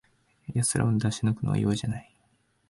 やつらを出し抜くのは容易じゃない